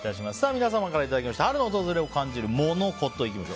皆様からいただきました春の訪れを感じるモノ・コト。